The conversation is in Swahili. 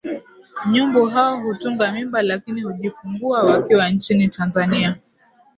nyumbu hao hutunga mimba lakini hujifungua wakiwa nchini Tanzania